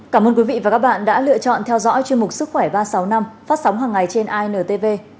cảm ơn quý vị và các bạn đã lựa chọn theo dõi chuyên mục sức khỏe ba trăm sáu mươi năm phát sóng hàng ngày trên intv